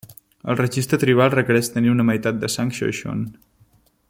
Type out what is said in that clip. El registre tribal requereix tenir una meitat de sang xoixon.